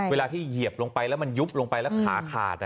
เวลาที่เหยียบลงไปแล้วมันยุบลงไปแล้วขาขาด